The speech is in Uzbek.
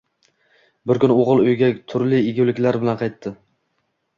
Bir kuni o`g`li uyga turli eguliklar bilan qaytdi